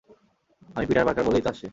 আমি Peter Parker বলেই তো আসছে।